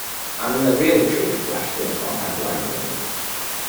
And then the real truth flashed in upon her blindingly.